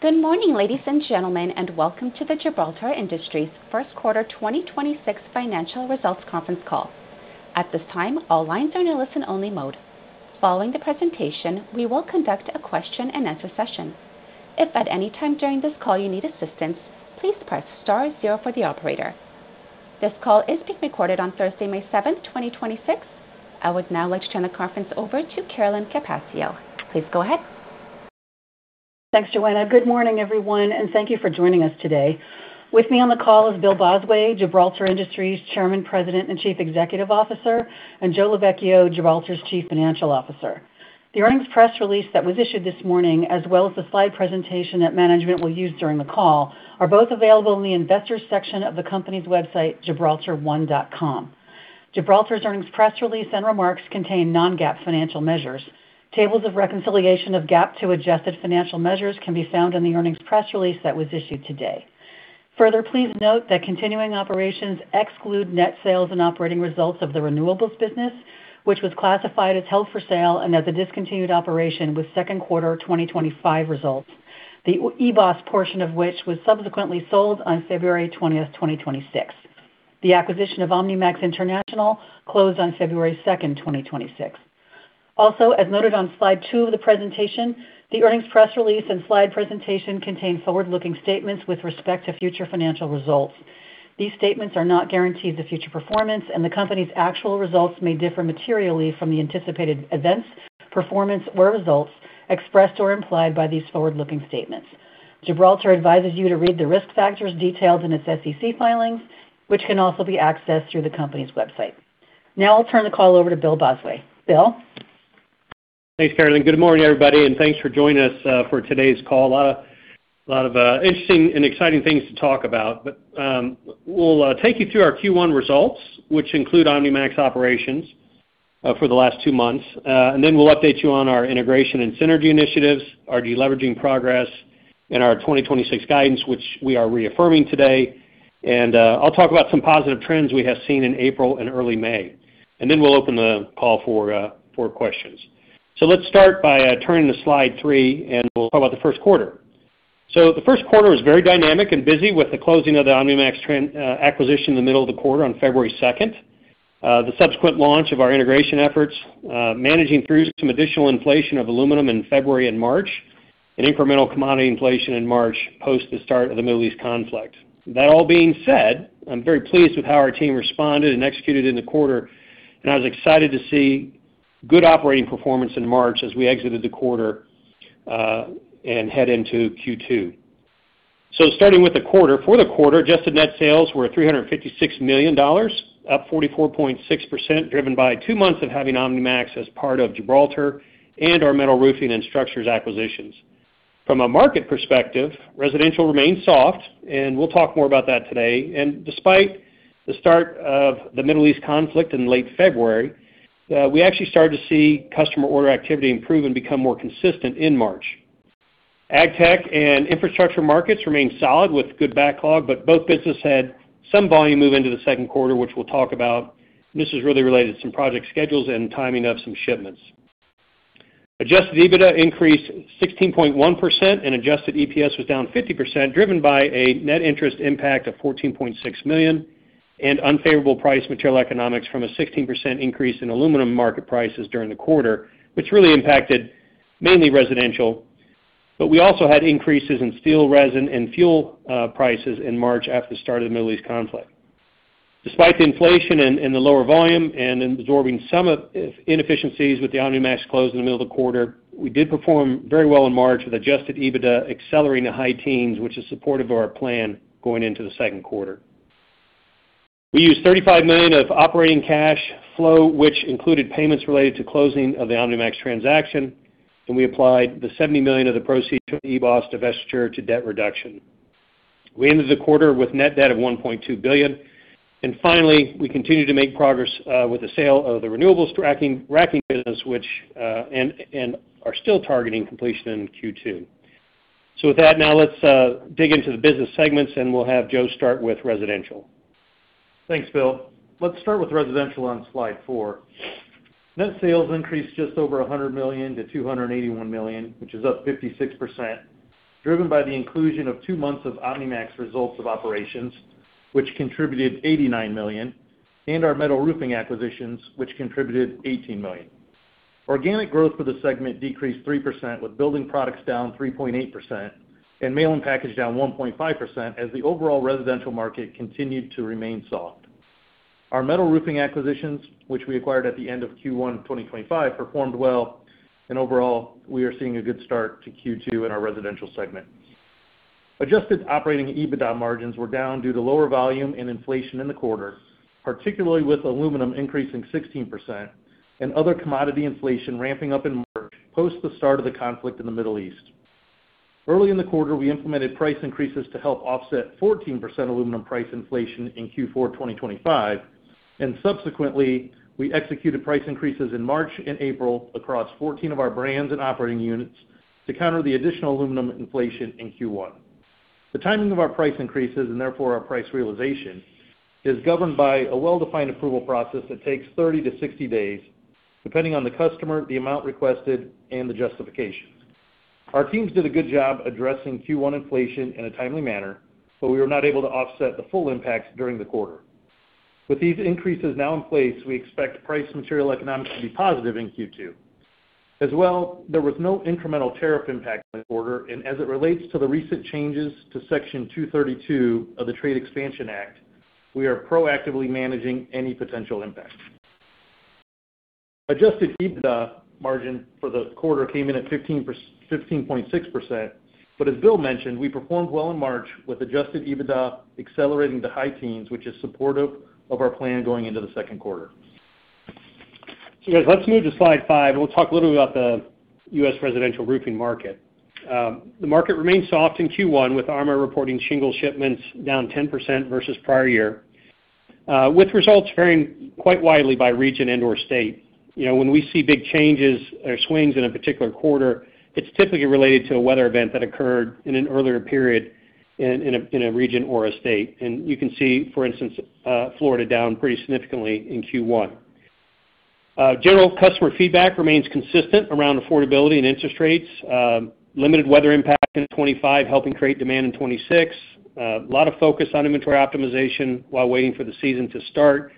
Good morning, ladies and gentlemen, and welcome to the Gibraltar Industries First Quarter 2026 financial results conference call. At this time, all lines are in a listen-only mode. Following the presentation, we will conduct a question-and-answer session. If at any time during this call you need assistance, please press star zero for the operator. This call is being recorded on Thursday, May seventh, 2026. I would now like to turn the conference over to Carolyn Capaccio. Please go ahead. Thanks, Joanna. Good morning, everyone, and thank you for joining us today. With me on the call is Bill Bosway, Gibraltar Industries chairman, president and chief executive officer, and Joe Lovechio, Gibraltar's chief financial officer. The earnings press release that was issued this morning, as well as the slide presentation that management will use during the call, are both available in the Investors section of the company's website, gibraltar1.com. Gibraltar's earnings press release and remarks contain non-GAAP financial measures. Tables of reconciliation of GAAP to adjusted financial measures can be found in the earnings press release that was issued today. Further, please note that continuing operations exclude net sales and operating results of the renewables business, which was classified as held for sale and as a discontinued operation with second quarter 2025 results, the eBOS portion of which was subsequently sold on February 20, 2026. The acquisition of Omnimax International closed on February 2, 2026. As noted on slide 2 of the presentation, the earnings press release and slide presentation contain forward-looking statements with respect to future financial results. These statements are not guarantees of future performance, and the Company's actual results may differ materially from the anticipated events, performance or results expressed or implied by these forward-looking statements. Gibraltar advises you to read the risk factors detailed in its SEC filings, which can also be accessed through the company's website. I'll turn the call over to Bill Bosway. Bill? Thanks, Carolyn. Good morning, everybody, thanks for joining us for today's call. A lot of interesting and exciting things to talk about. We'll take you through our Q1 results, which include Omnimax operations for the last two months. Then we'll update you on our integration and synergy initiatives, our deleveraging progress and our 2026 guidance, which we are reaffirming today. I'll talk about some positive trends we have seen in April and early May. Then we'll open the call for questions. Let's start by turning to slide three, we'll talk about the first quarter. The first quarter was very dynamic and busy with the closing of the Omnimax acquisition in the middle of the quarter on February 2nd. The subsequent launch of our integration efforts, managing through some additional inflation of aluminum in February and March, and incremental commodity inflation in March post the start of the Middle East conflict. That all being said, I'm very pleased with how our team responded and executed in the quarter, and I was excited to see good operating performance in March as we exited the quarter and head into Q2. Starting with the quarter. For the quarter, adjusted net sales were $356 million, up 44.6%, driven bytwo months of having Omnimax as part of Gibraltar and our metal roofing and structures acquisitions. From a market perspective, residential remained soft, and we'll talk more about that today. Despite the start of the Middle East conflict in late February, we actually started to see customer order activity improve and become more consistent in March. AgTech and infrastructure markets remain solid with good backlog, but both business had some volume move into the second quarter, which we'll talk about. This is really related to some project schedules and timing of some shipments. Adjusted EBITDA increased 16.1% and adjusted EPS was down 50%, driven by a net interest impact of $14.6 million and unfavorable price material economics from a 16% increase in aluminum market prices during the quarter, which really impacted mainly residential. We also had increases in steel, resin and fuel prices in March after the start of the Middle East conflict. Despite the inflation and the lower volume and absorbing some of inefficiencies with the Omnimax close in the middle of the quarter, we did perform very well in March with adjusted EBITDA accelerating to high teens, which is supportive of our plan going into the second quarter. We used $35 million of operating cash flow, which included payments related to closing of the Omnimax transaction, and we applied the $70 million of the proceeds from eBOS divestiture to debt reduction. We ended the quarter with net debt of $1.2 billion. Finally, we continue to make progress with the sale of the renewables racking business, which and are still targeting completion in Q2. With that, now let's dig into the business segments, and we'll have Joe start with residential. Thanks, Bill. Let's start with residential on slide 4. Net sales increased just over $100 million to $281 million, which is up 56%, driven by the inclusion of two months of Omnimax results of operations, which contributed $89 million, and our metal roofing acquisitions, which contributed $18 million. Organic growth for the segment decreased 3%, with building products down 3.8% and mail and package down 1.5% as the overall residential market continued to remain soft. Our metal roofing acquisitions, which we acquired at the end of Q1 2025, performed well, and overall, we are seeing a good start to Q2 in our residential segment. Adjusted operating EBITDA margins were down due to lower volume and inflation in the quarter, particularly with aluminum increasing 16% and other commodity inflation ramping up in March post the start of the conflict in the Middle East. Early in the quarter, we implemented price increases to help offset 14% aluminum price inflation in Q4 2025, and subsequently, we executed price increases in March and April across 14 of our brands and operating units to counter the additional aluminum inflation in Q1. The timing of our price increases, and therefore our price realization, is governed by a well-defined approval process that takes 30-60 days, depending on the customer, the amount requested, and the justification. Our teams did a good job addressing Q1 inflation in a timely manner, but we were not able to offset the full impact during the quarter. With these increases now in place, we expect price material economics to be positive in Q2. As well, there was no incremental tariff impact in the quarter, and as it relates to the recent changes to Section 232 of the Trade Expansion Act, we are proactively managing any potential impact. Adjusted EBITDA margin for the quarter came in at 15.6%. As Bill mentioned, we performed well in March with adjusted EBITDA accelerating to high teens, which is supportive of our plan going into the second quarter. Guys, let's move to slide five, and we'll talk a little bit about the U.S. residential roofing market. The market remained soft in Q1 with ARMA reporting shingle shipments down 10% versus prior year, with results varying quite widely by region and or state. You know, when we see big changes or swings in a particular quarter, it's typically related to a weather event that occurred in an earlier period in a region or a state. You can see, for instance, Florida down pretty significantly in Q1. General customer feedback remains consistent around affordability and interest rates, limited weather impact in 2025 helping create demand in 2026. A lot of focus on inventory optimization while waiting for the season to start.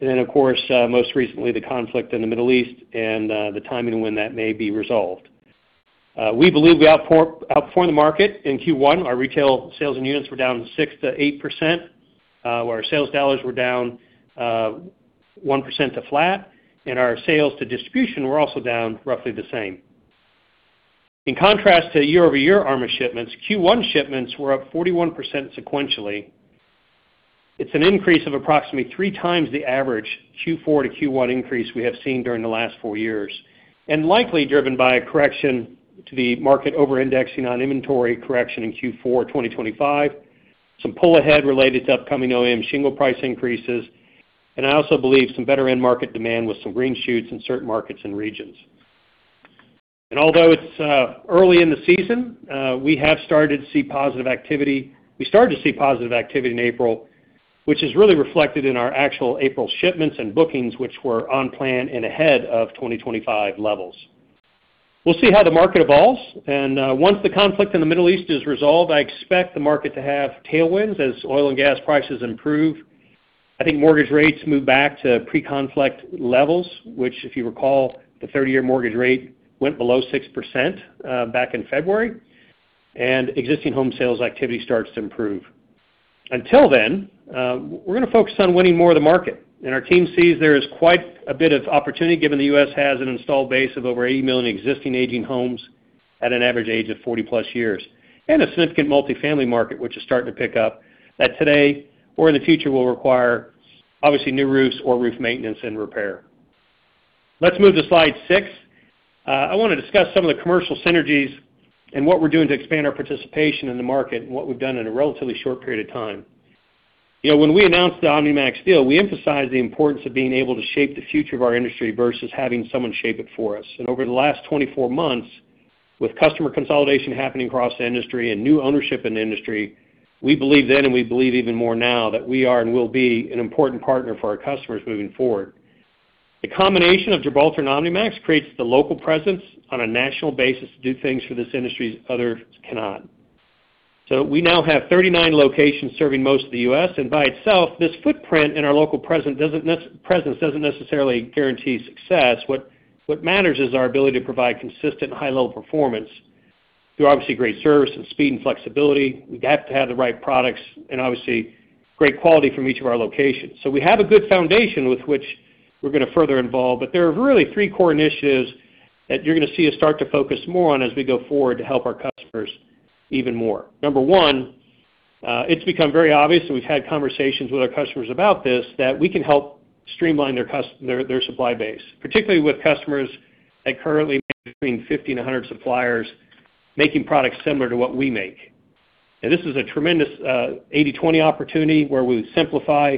Of course, most recently, the conflict in the Middle East and the timing when that may be resolved. We believe we outperformed the market in Q1. Our retail sales and units were down 6%-8%, where our sales dollars were down 1% to flat, and our sales to distribution were also down roughly the same. In contrast to year-over-year ARMA shipments, Q1 shipments were up 41% sequentially. It's an increase of approximately 3x the average Q4 to Q1 increase we have seen during the last four years, and likely driven by a correction to the market over-indexing on inventory correction in Q4 2025, some pull-ahead related to upcoming OEM shingle price increases, and I also believe some better end market demand with some green shoots in certain markets and regions. Although it's early in the season, we have started to see positive activity. We started to see positive activity in April, which is really reflected in our actual April shipments and bookings, which were on plan and ahead of 2025 levels. We'll see how the market evolves, once the conflict in the Middle East is resolved, I expect the market to have tailwinds as oil and gas prices improve. I think mortgage rates move back to pre-conflict levels, which if you recall, the 30-year mortgage rate went below 6% back in February, existing home sales activity starts to improve. Until then, we're gonna focus on winning more of the market. Our team sees there is quite a bit of opportunity given the U.S. has an installed base of over 80 million existing aging homes at an average age of 40-plus years, and a significant multi-family market, which is starting to pick up, that today or in the future will require, obviously, new roofs or roof maintenance and repair. Let's move to slide six. I wanna discuss some of the commercial synergies and what we're doing to expand our participation in the market and what we've done in a relatively short period of time. You know, when we announced the Omnimax deal, we emphasized the importance of being able to shape the future of our industry versus having someone shape it for us. Over the last 24 months, with customer consolidation happening across the industry and new ownership in the industry, we believed then and we believe even more now that we are and will be an important partner for our customers moving forward. The combination of Gibraltar and Omnimax creates the local presence on a national basis to do things for this industry others cannot. We now have 39 locations serving most of the U.S. By itself, this footprint and our local presence doesn't necessarily guarantee success. What matters is our ability to provide consistent high-level performance through obviously great service and speed and flexibility. We have to have the right products and obviously great quality from each of our locations. We have a good foundation with which we're gonna further involve, but there are really three core initiatives that you're gonna see us start to focus more on as we go forward to help our customers even more. Number one, it's become very obvious, and we've had conversations with our customers about this, that we can help streamline their supply base, particularly with customers that currently manage between 50 and 100 suppliers making products similar to what we make. This is a tremendous eighty/twenty opportunity where we simplify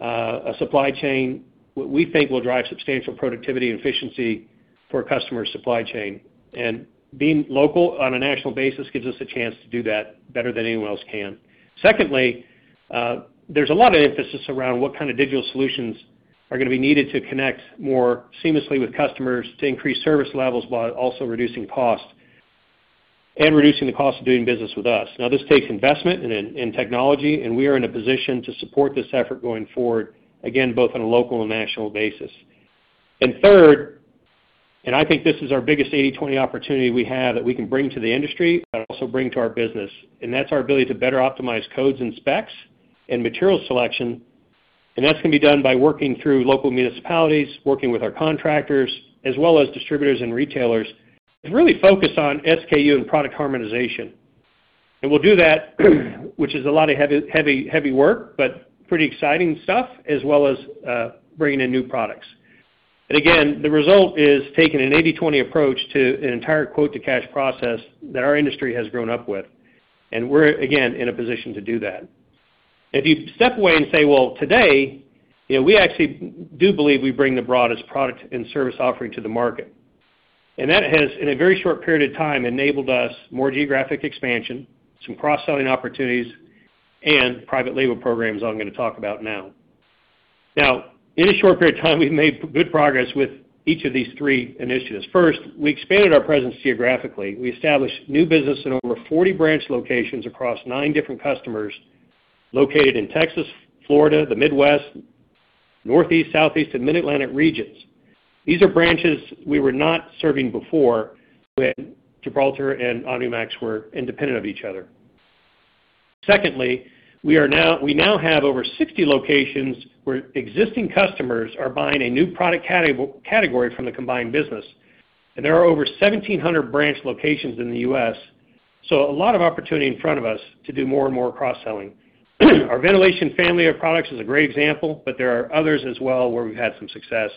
a supply chain we think will drive substantial productivity and efficiency for a customer's supply chain. Being local on a national basis gives us a chance to do that better than anyone else can. Secondly, there's a lot of emphasis around what kind of digital solutions are gonna be needed to connect more seamlessly with customers to increase service levels while also reducing cost and reducing the cost of doing business with us. Now, this takes investment in technology, and we are in a position to support this effort going forward, again, both on a local and national basis. Third, and I think this is our biggest 80/20 opportunity we have that we can bring to the industry, but also bring to our business, and that's our ability to better optimize codes and specs and material selection. That's gonna be done by working through local municipalities, working with our contractors, as well as distributors and retailers, and really focus on SKU and product harmonization. We'll do that, which is a lot of heavy, heavy work, but pretty exciting stuff, as well as bringing in new products. Again, the result is taking an 80/20 approach to an entire quote-to-cash process that our industry has grown up with. We're, again, in a position to do that. If you step away and say, well, today, you know, we actually do believe we bring the broadest product and service offering to the market. That has, in a very short period of time, enabled us more geographic expansion, some cross-selling opportunities, and private label programs I'm gonna talk about now. In a short period of time, we've made good progress with each of these three initiatives. First, we expanded our presence geographically. We established new business in over 40 branch locations across nine different customers located in Texas, Florida, the Midwest, Northeast, Southeast, and Mid-Atlantic regions. These are branches we were not serving before when Gibraltar and Omnimax were independent of each other. Secondly, we now have over 60 locations where existing customers are buying a new product category from the combined business. There are over 1,700 branch locations in the U.S., so a lot of opportunity in front of us to do more and more cross-selling. Our ventilation family of products is a great example, but there are others as well where we've had some success.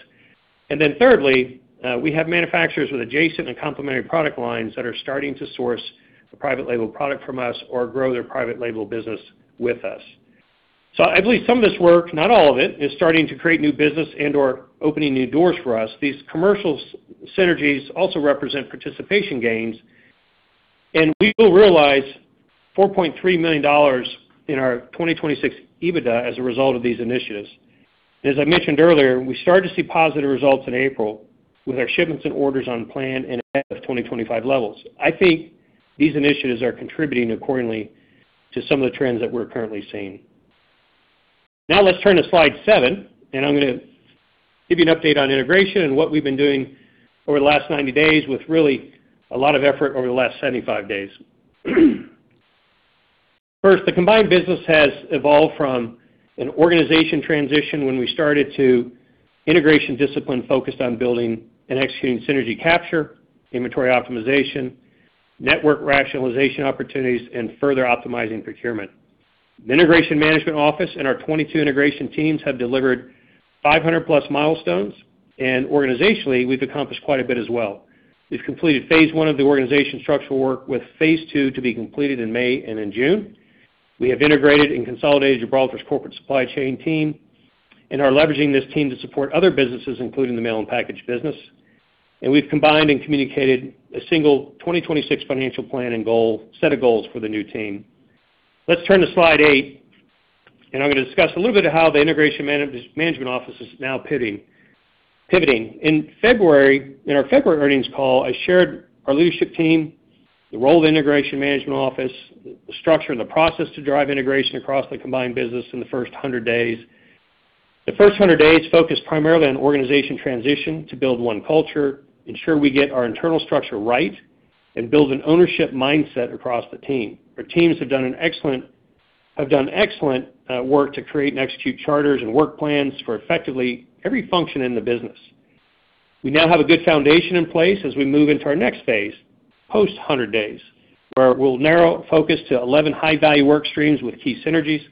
Thirdly, we have manufacturers with adjacent and complementary product lines that are starting to source a private label product from us or grow their private label business with us. I believe some of this work, not all of it, is starting to create new business and/or opening new doors for us. These commercial synergies also represent participation gains, and we will realize $4.3 million in our 2026 EBITDA as a result of these initiatives. As I mentioned earlier, we started to see positive results in April with our shipments and orders on plan and 2025 levels. I think these initiatives are contributing accordingly to some of the trends that we're currently seeing. Let's turn to slide seven, and I'm gonna give you an update on integration and what we've been doing over the last 90 days with really a lot of effort over the last 75 days. First, the combined business has evolved from an organization transition when we started to integration discipline focused on building and executing synergy capture, inventory optimization, network rationalization opportunities, and further optimizing procurement. The integration management office and our 22 integration teams have delivered 500+ milestones. Organizationally, we've accomplished quite a bit as well. We've completed phase I of the organization structural work, with phase II to be completed in May and in June. We have integrated and consolidated Gibraltar's corporate supply chain team and are leveraging this team to support other businesses, including the mail and package business. We've combined and communicated a single 2026 financial plan and set of goals for the new team. Let's turn to slide eight. I'm gonna discuss a little bit of how the integration management office is now pivoting. In our February earnings call, I shared our leadership team, the role of the integration management office, the structure and the process to drive integration across the combined business in the first 100 days. The first 100 days focused primarily on organization transition to build one culture, ensure we get our internal structure right, and build an ownership mindset across the team. Our teams have done excellent work to create and execute charters and work plans for effectively every function in the business. We now have a good foundation in place as we move into our next phase, post-100 days, where we'll narrow focus to 11 high-value work streams with key synergies,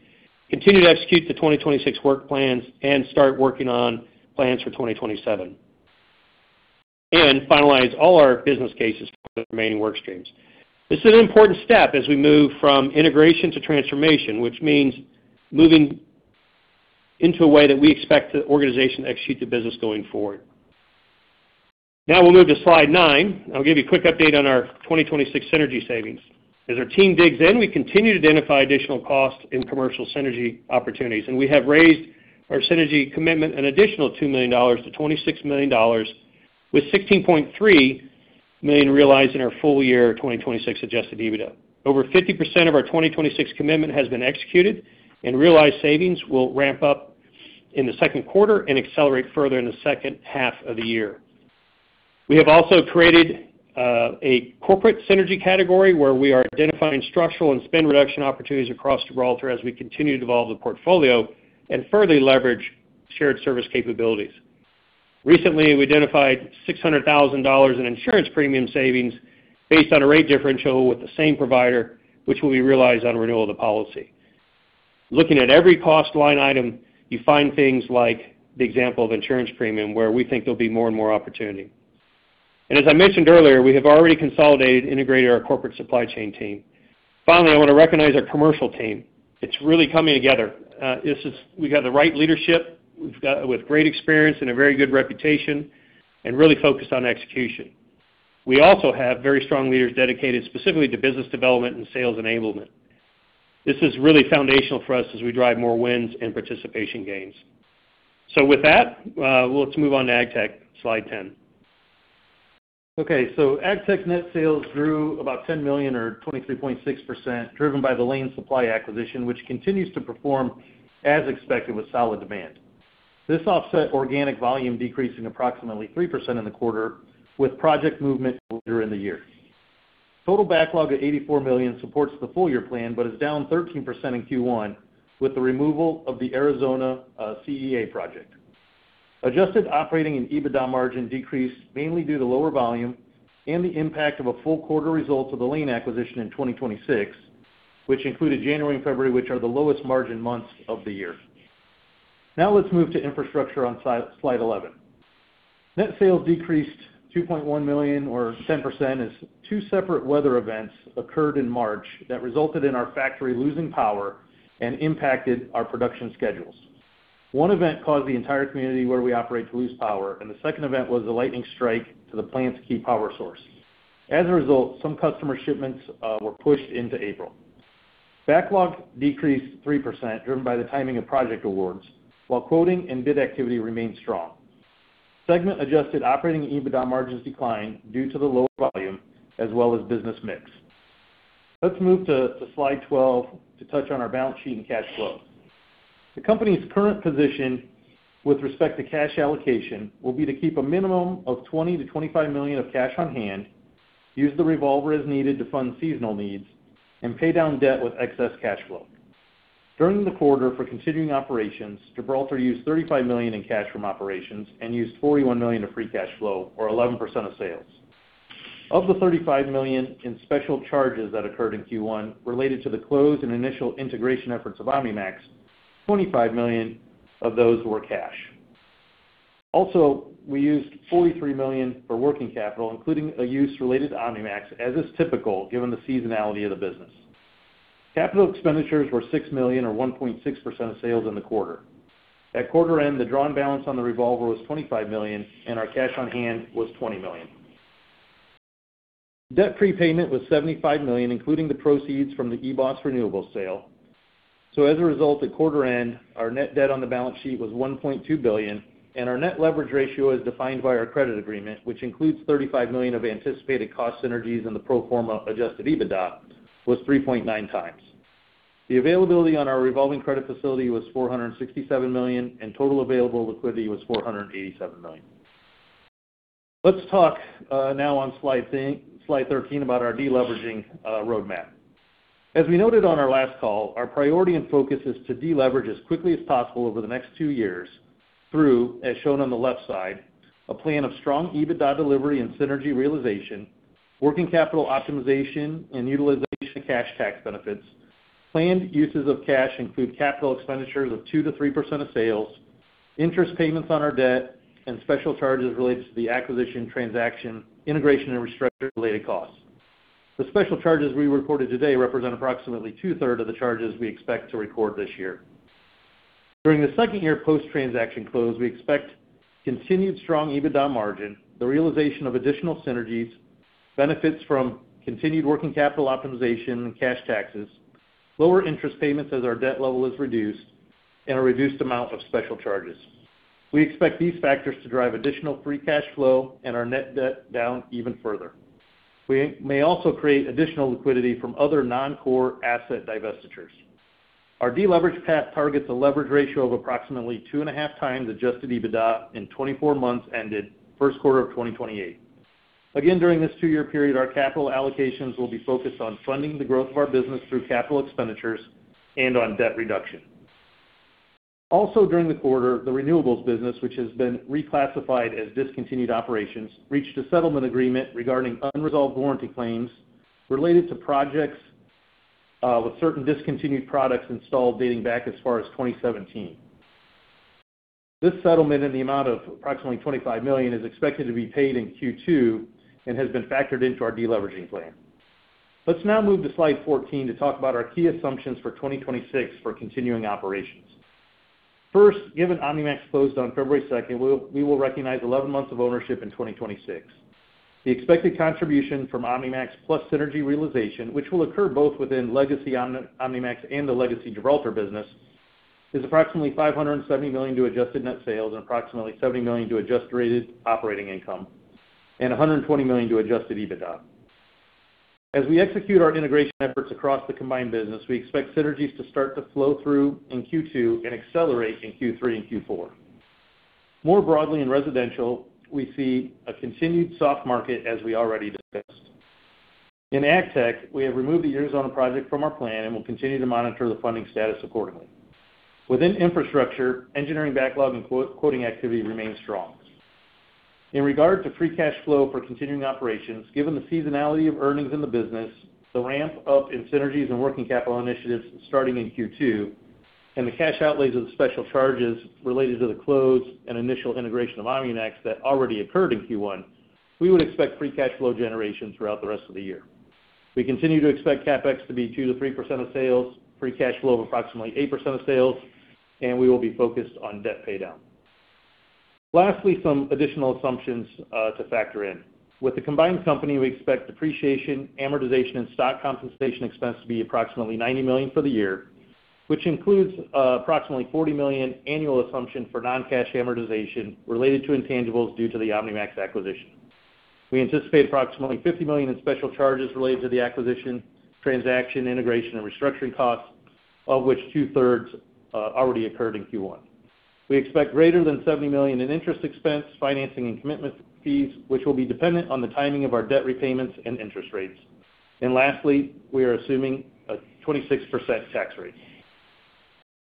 continue to execute the 2026 work plans, start working on plans for 2027, and finalize all our business cases for the remaining work streams. This is an important step as we move from integration to transformation, which means moving into a way that we expect the organization to execute the business going forward. Now we'll move to slide nine. I'll give you a quick update on our 2026 synergy savings. As our team digs in, we continue to identify additional costs and commercial synergy opportunities, and we have raised our synergy commitment an additional $2 million to $26 million, with $16.3 million realized in our full year 2026 adjusted EBITDA. Over 50% of our 2026 commitment has been executed and realized savings will ramp up in the second quarter and accelerate further in the second half of the year. We have also created a corporate synergy category where we are identifying structural and spend reduction opportunities across Gibraltar as we continue to evolve the portfolio and further leverage shared service capabilities. Recently, we identified $600 thousand in insurance premium savings based on a rate differential with the same provider, which will be realized on renewal of the policy. Looking at every cost line item, you find things like the example of insurance premium, where we think there'll be more and more opportunity. As I mentioned earlier, we have already consolidated and integrated our corporate supply chain team. Finally, I wanna recognize our commercial team. It's really coming together. We got the right leadership. With great experience and a very good reputation, and really focused on execution. We also have very strong leaders dedicated specifically to business development and sales enablement. This is really foundational for us as we drive more wins and participation gains. With that, let's move on to AgTech, slide 10. AgTech net sales grew about $10 million or 23.6%, driven by the Lane Supply acquisition, which continues to perform as expected with solid demand. This offset organic volume decreasing approximately 3% in the quarter, with project movement during the year. Total backlog of $84 million supports the full year plan, but is down 13% in Q1 with the removal of the Arizona CEA project. Adjusted operating and EBITDA margin decreased mainly due to lower volume and the impact of a full quarter result of the Lane Supply acquisition in 2026, which included January and February, which are the lowest margin months of the year. Let's move to infrastructure on slide 11. Net sales decreased $2.1 million or 10% as two separate weather events occurred in March that resulted in our factory losing power and impacted our production schedules. One event caused the entire community where we operate to lose power, and the second event was a lightning strike to the plant's key power source. As a result, some customer shipments were pushed into April. Backlog decreased 3% driven by the timing of project awards, while quoting and bid activity remained strong. Segment adjusted operating EBITDA margins declined due to the lower volume as well as business mix. Let's move to Slide 12 to touch on our balance sheet and cash flow. The company's current position with respect to cash allocation will be to keep a minimum of $20 million-$25 million of cash on hand, use the revolver as needed to fund seasonal needs, and pay down debt with excess cash flow. During the quarter for continuing operations, Gibraltar used $35 million in cash from operations and used $41 million of free cash flow, or 11% of sales. Of the $35 million in special charges that occurred in Q1 related to the close and initial integration efforts of Omnimax, $25 million of those were cash. Also, we used $43 million for working capital, including a use related to Omnimax, as is typical given the seasonality of the business. CapEx were $6 million or 1.6% of sales in the quarter. At quarter end, the drawn balance on the revolver was $25 million, and our cash on hand was $20 million. Debt prepayment was $75 million, including the proceeds from the eBOS renewables sale. As a result, at quarter end, our net debt on the balance sheet was $1.2 billion, and our net leverage ratio, as defined by our credit agreement, which includes $35 million of anticipated cost synergies in the pro forma adjusted EBITDA, was 3.9x. The availability on our revolving credit facility was $467 million, and total available liquidity was $487 million. Let's talk now on slide thirteen about our deleveraging roadmap. As we noted on our last call, our priority and focus is to deleverage as quickly as possible over the next two Years through, as shown on the left side, a plan of strong EBITDA delivery and synergy realization, working capital optimization and utilization of cash tax benefits. Planned uses of cash include capital expenditures of 2%-3% of sales, interest payments on our debt, and special charges related to the acquisition, transaction, integration and restructuring-related costs. The special charges we reported today represent approximately two-third of the charges we expect to record this year. During the second year post-transaction close, we expect continued strong EBITDA margin, the realization of additional synergies, benefits from continued working capital optimization and cash taxes, lower interest payments as our debt level is reduced, and a reduced amount of special charges. We expect these factors to drive additional free cash flow and our net debt down even further. We may also create additional liquidity from other non-core asset divestitures. Our deleverage path targets a leverage ratio of approximately two and a half times adjusted EBITDA in 24 months ended first quarter of 2028. Again, during this two year period, our capital allocations will be focused on funding the growth of our business through capital expenditures and on debt reduction. During the quarter, the renewables business, which has been reclassified as discontinued operations, reached a settlement agreement regarding unresolved warranty claims related to projects with certain discontinued products installed dating back as far as 2017. This settlement in the amount of approximately $25 million is expected to be paid in Q2 and has been factored into our deleveraging plan. Let's now move to slide 14 to talk about our key assumptions for 2026 for continuing operations. First, given Omnimax closed on February 2nd, we will recognize 11 months of ownership in 2026. The expected contribution from Omnimax plus synergy realization, which will occur both within legacy Omnimax and the legacy Gibraltar business, is approximately $570 million to adjusted net sales and approximately $70 million to adjusted rated operating income and $120 million to adjusted EBITDA. As we execute our integration efforts across the combined business, we expect synergies to start to flow through in Q2 and accelerate in Q3 and Q4. More broadly in residential, we see a continued soft market as we already discussed. In AgTech, we have removed the Arizona project from our plan and will continue to monitor the funding status accordingly. Within infrastructure, engineering backlog and quoting activity remains strong. In regard to free cash flow for continuing operations, given the seasonality of earnings in the business, the ramp-up in synergies and working capital initiatives starting in Q2, and the cash outlays of the special charges related to the close and initial integration of Omnimax that already occurred in Q1, we would expect free cash flow generation throughout the rest of the year. We continue to expect CapEx to be 2%-3% of sales, free cash flow of approximately 8% of sales, and we will be focused on debt paydown. Lastly, some additional assumptions to factor in. With the combined company, we expect depreciation, amortization, and stock compensation expense to be approximately $90 million for the year, which includes approximately $40 million annual assumption for non-cash amortization related to intangibles due to the Omnimax acquisition. We anticipate approximately $50 million in special charges related to the acquisition, transaction, integration, and restructuring costs, of which two-thirds already occurred in Q1. We expect greater than $70 million in interest expense, financing, and commitment fees, which will be dependent on the timing of our debt repayments and interest rates. Lastly, we are assuming a 26% tax rate.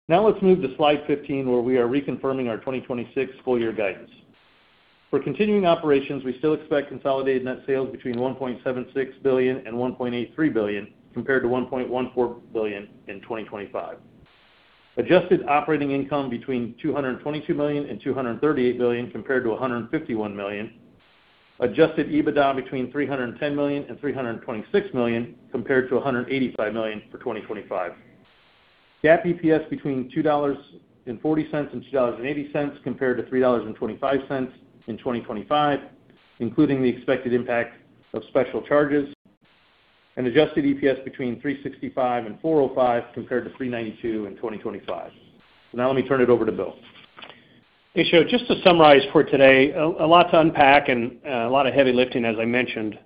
Now let's move to slide 15, where we are reconfirming our 2026 full year guidance. For continuing operations, we still expect consolidated net sales between $1.76 billion and $1.83 billion, compared to $1.14 billion in 2025. Adjusted operating income between $222 million and $238 million, compared to $151 million. Adjusted EBITDA between $310 million and $326 million compared to $185 million for 2025. GAAP EPS between $2.40 and $2.80 compared to $3.25 in 2025, including the expected impact of special charges. Adjusted EPS between $3.65 and $4.05 compared to $3.92 in 2025. Now let me turn it over to Bill. Hey, Joe. Just to summarize for today, a lot to unpack and a lot of heavy lifting, as I mentioned.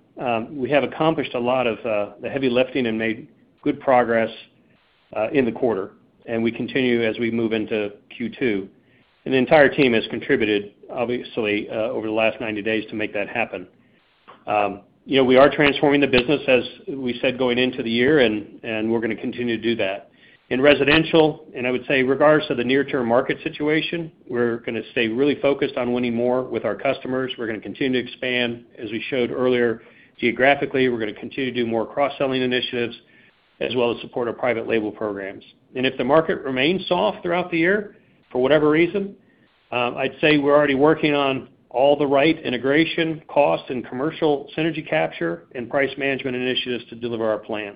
We have accomplished a lot of the heavy lifting and made good progress in the quarter, and we continue as we move into Q2. The entire team has contributed, obviously, over the last 90 days to make that happen. You know, we are transforming the business, as we said, going into the year, and we're gonna continue to do that. In residential, I would say regardless of the near-term market situation, we're gonna stay really focused on winning more with our customers. We're gonna continue to expand, as we showed earlier, geographically. We're gonna continue to do more cross-selling initiatives, as well as support our private label programs. If the market remains soft throughout the year, for whatever reason, I'd say we're already working on all the right integration costs and commercial synergy capture and price management initiatives to deliver our plan.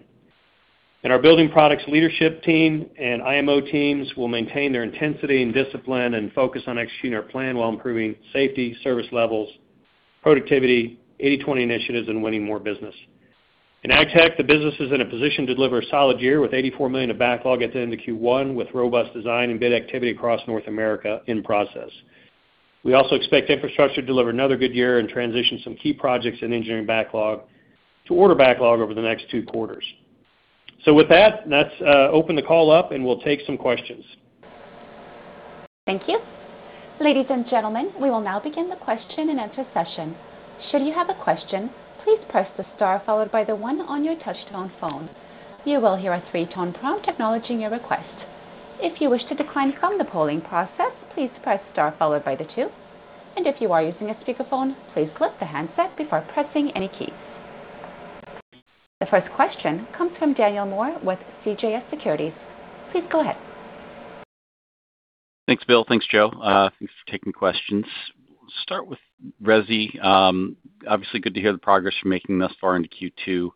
Our building products leadership team and IMO teams will maintain their intensity and discipline and focus on executing our plan while improving safety, service levels, productivity, 80/20 initiatives, and winning more business. In AgTech, the business is in a position to deliver a solid year with $84 million of backlog at the end of Q1, with robust design and bid activity across North America in process. We also expect infrastructure to deliver another good year and transition some key projects in engineering backlog to order backlog over the next two quarters. With that, let's open the call up, and we'll take some questions. Thank you. Ladies and gentlemen, we will now begin the question-and-answer session. Should you have a question, please press the star followed by the one on your touchtone phone. You will hear a three-tone prompt acknowledging your request. If you wish to decline from the polling process, please press star followed by the two. If you are using a speakerphone, please lift the handset before pressing any keys. The first question comes from Daniel Moore with CJS Securities. Please go ahead. Thanks, Bill. Thanks, Joe. Thanks for taking questions. Start with resi. Obviously, good to hear the progress you're making thus far into Q2.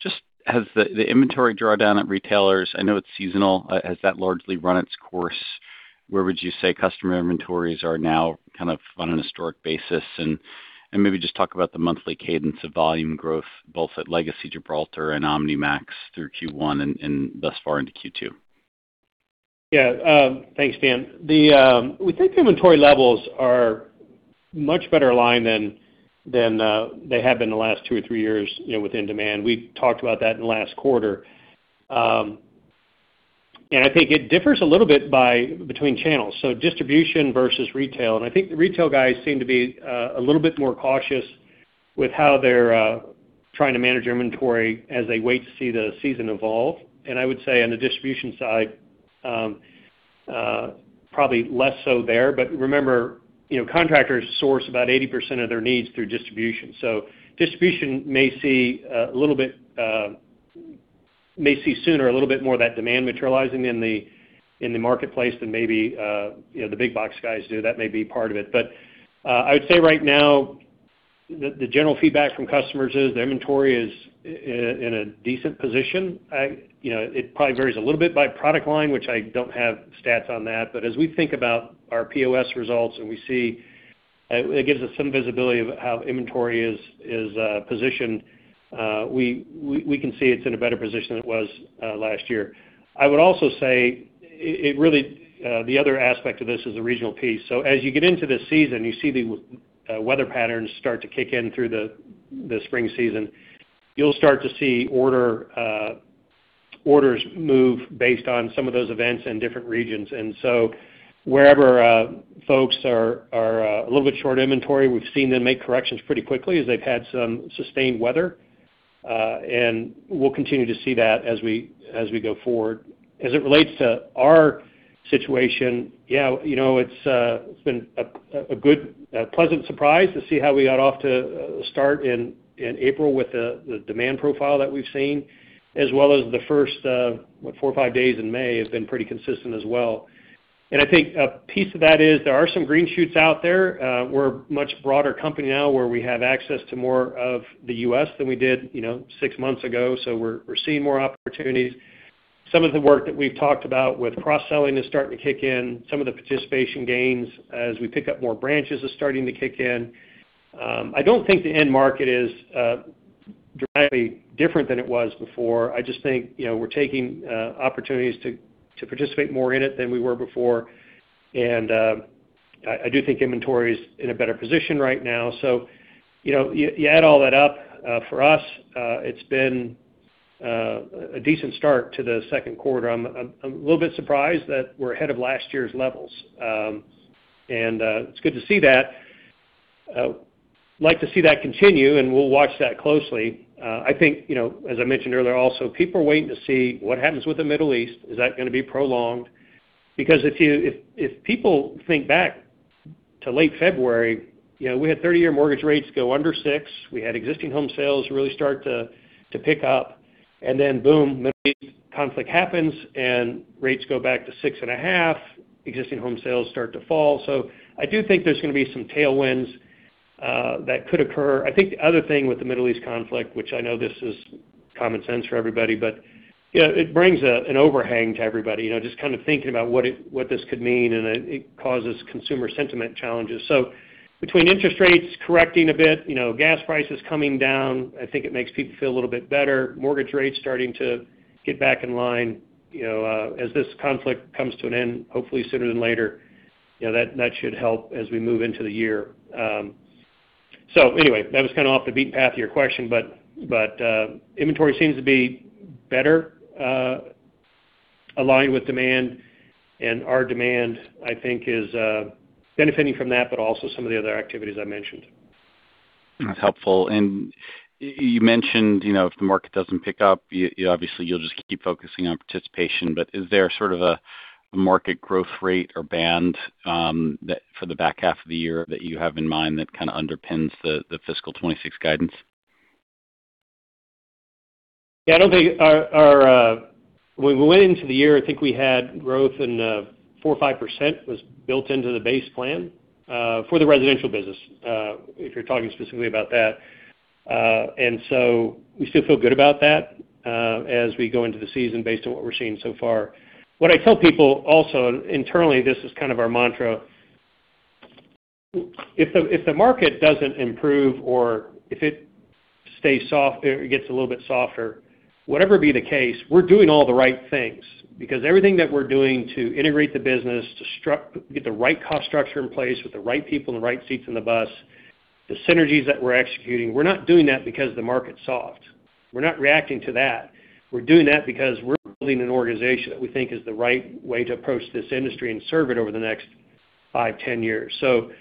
Just has the inventory drawdown at retailers, I know it's seasonal, has that largely run its course? Where would you say customer inventories are now kind of on an historic basis? Maybe just talk about the monthly cadence of volume growth, both at legacy Gibraltar and Omnimax through Q1 and thus far into Q2. Thanks, Dan. We think inventory levels are much better aligned than they have been the last two or three years, you know, within demand. We talked about that in the last quarter. It differs a little bit by between channels, so distribution versus retail. The retail guys seem to be a little bit more cautious with how they're trying to manage inventory as they wait to see the season evolve. I would say on the distribution side, probably less so there. Remember, you know, contractors source about 80% of their needs through distribution. Distribution may see a little bit more of that demand materializing in the marketplace than maybe, you know, the big box guys do. That may be part of it. I would say right now the general feedback from customers is the inventory is in a decent position. You know, it probably varies a little bit by product line, which I don't have stats on that. As we think about our POS results and we see, it gives us some visibility of how inventory is positioned, we can see it's in a better position than it was last year. I would also say it really, the other aspect of this is the regional piece. As you get into the season, you see the weather patterns start to kick in through the spring season. You'll start to see orders move based on some of those events in different regions. Wherever folks are a little bit short inventory, we've seen them make corrections pretty quickly as they've had some sustained weather. We'll continue to see that as we go forward. As it relates to our situation, yeah, you know, it's been a good, a pleasant surprise to see how we got off to a start in April with the demand profile that we've seen, as well as the first, what, four to five days in May has been pretty consistent as well. I think a piece of that is there are some green shoots out there. We're a much broader company now, where we have access to more of the U.S. than we did, you know, six months ago, so we're seeing more opportunities. Some of the work that we've talked about with cross-selling is starting to kick in. Some of the participation gains as we pick up more branches is starting to kick in. I don't think the end market is dramatically different than it was before. I just think, you know, we're taking opportunities to participate more in it than we were before. I do think inventory is in a better position right now. You know, you add all that up, for us, it's been a decent start to the second quarter. I'm a little bit surprised that we're ahead of last year's levels. It's good to see that. Like to see that continue, and we'll watch that closely. I think, you know, as I mentioned earlier also, people are waiting to see what happens with the Middle East. Is that gonna be prolonged? If people think back to late February, you know, we had 30-year mortgage rates go under 6%. We had existing home sales really start to pick up. Boom, Middle East conflict happens and rates go back to 6.5%, existing home sales start to fall. I do think there's gonna be some tailwinds that could occur. I think the other thing with the Middle East conflict, which I know this is common sense for everybody, but, you know, it brings an overhang to everybody. You know, just kind of thinking about what this could mean, and it causes consumer sentiment challenges. Between interest rates correcting a bit, you know, gas prices coming down, I think it makes people feel a little bit better. Mortgage rates starting to get back in line, you know, as this conflict comes to an end, hopefully sooner than later. That should help as we move into the year. Anyway, that was kind of off the beaten path to your question. But inventory seems to be better aligned with demand. Our demand, I think, is benefiting from that, but also some of the other activities I mentioned. That's helpful. You mentioned, you know, if the market doesn't pick up, you obviously you'll just keep focusing on participation. Is there sort of a market growth rate or band that for the back half of the year that you have in mind that kind of underpins the fiscal 2026 guidance? Yeah, I don't think our When we went into the year, I think we had growth in 4% or 5% was built into the base plan for the residential business, if you're talking specifically about that. We still feel good about that as we go into the season based on what we're seeing so far. What I tell people also, and internally this is kind of our mantra, if the market doesn't improve or if it stays soft or it gets a little bit softer, whatever be the case, we're doing all the right things. Everything that we're doing to integrate the business, to get the right cost structure in place with the right people in the right seats in the bus, the synergies that we're executing, we're not doing that because the market's soft. We're not reacting to that. We're doing that because we're building an organization that we think is the right way to approach this industry and serve it over the next 5, 10 years. If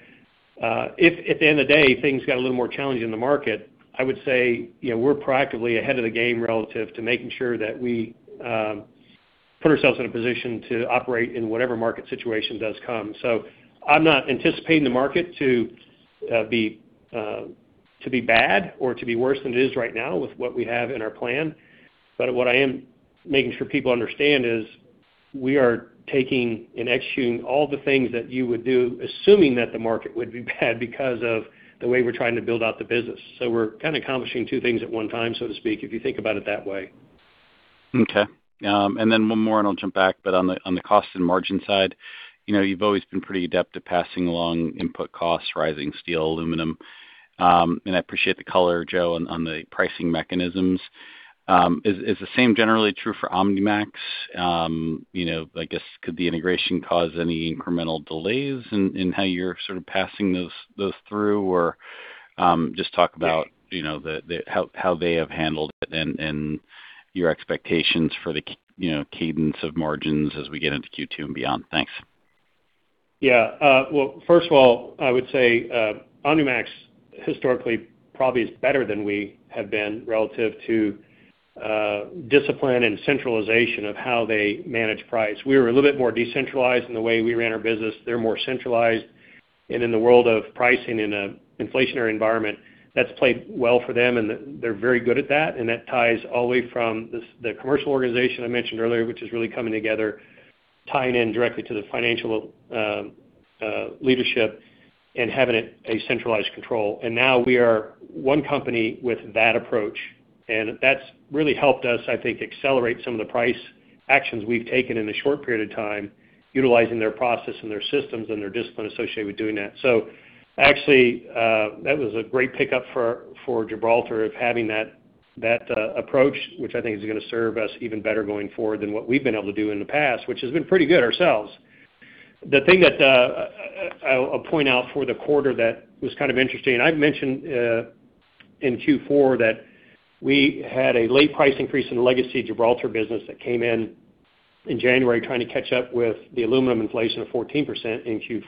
at the end of the day, things got a little more challenging in the market, I would say, you know, we're proactively ahead of the game relative to making sure that we put ourselves in a position to operate in whatever market situation does come. I'm not anticipating the market to be to be bad or to be worse than it is right now with what we have in our plan. What I am making sure people understand is we are taking and executing all the things that you would do, assuming that the market would be bad because of the way we're trying to build out the business. We're kind of accomplishing two things at one time, so to speak, if you think about it that way. Okay. Then one more and I'll jump back. On the cost and margin side, you know, you've always been pretty adept at passing along input costs, rising steel, aluminum. And I appreciate the color, Joe, on the pricing mechanisms. Is the same generally true for Omnimax? You know, I guess could the integration cause any incremental delays in how you're sort of passing those through? Just talk about the how they have handled it and your expectations for the cadence of margins as we get into Q2 and beyond. Thanks. First of all, I would say Omnimax historically probably is better than we have been relative to discipline and centralization of how they manage price. We were a little bit more decentralized in the way we ran our business. They're more centralized. In the world of pricing in an inflationary environment, that's played well for them, and they're very good at that. That ties all the way from this, the commercial organization I mentioned earlier, which is really coming together, tying in directly to the financial leadership and having it a centralized control. Now we are one company with that approach. That's really helped us, I think, accelerate some of the price actions we've taken in a short period of time, utilizing their process and their systems and their discipline associated with doing that. Actually, that was a great pickup for Gibraltar of having that approach, which I think is gonna serve us even better going forward than what we've been able to do in the past, which has been pretty good ourselves. The thing that I'll point out for the quarter that was kind of interesting, I've mentioned in Q4 that we had a late price increase in the legacy Gibraltar business that came in in January trying to catch up with the aluminum inflation of 14% in